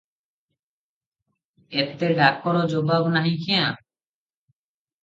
ଏତେ ଡାକର ଜବାବ ନାହିଁ କ୍ୟା?